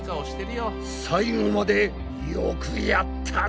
最後までよくやったぞ！